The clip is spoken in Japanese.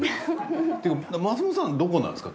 松本さんどこなんですか